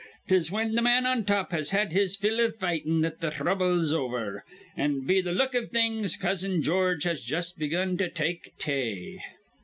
'Tis whin th' man on top has had his fill iv fightin' that th' throuble's over, an' be the look iv things Cousin George has jus' begun to take tay.